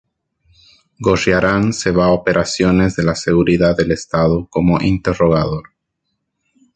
Gorriarán se va a operaciones de la Seguridad del Estado, como interrogador.